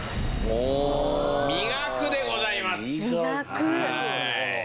「磨く」でございます「磨く」